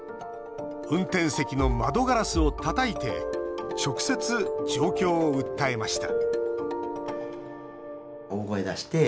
運転席の窓ガラスをたたいて直接、状況を訴えました